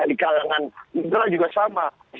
di kalangan indra juga sama